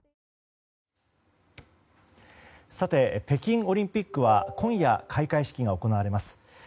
北京オリンピックは今夜、開会式が行われます。